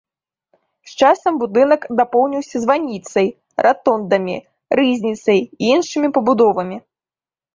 З часам будынак дапоўніўся званіцай, ратондамі, рызніцай і іншымі пабудовамі.